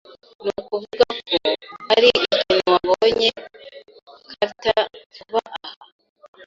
Nukuvugako, hari ikintu wabonye Carter vuba aha?